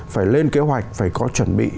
phải lên kế hoạch phải có chuẩn bị